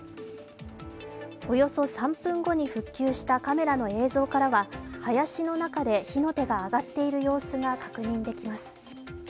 およそ３分後に復旧したカメラの映像からは林の中で火の手が上がっている様子が確認できます。